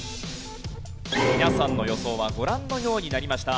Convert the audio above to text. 皆さんの予想はご覧のようになりました。